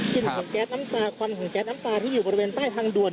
ของแก๊สน้ำตาควันของแก๊สน้ำตาที่อยู่บริเวณใต้ทางด่วน